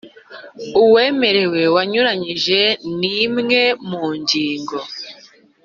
Uwemerewe wanyuranyije n imwe mu ngingo